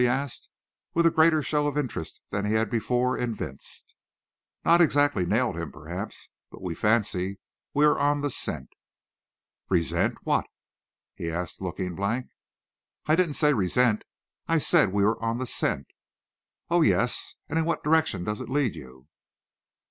he asked, with a greater show of interest than he had before evinced. "Not exactly nailed him, perhaps. But we fancy we are on the scent." "Resent what?" he asked, looking blank. "I didn't say `resent.' I said, we are on the scent." "Oh, yes. And in what direction does it lead you?"